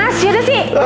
mas yaudah sih